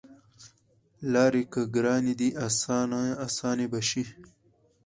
لاری که ګرانې دي اسانې به شي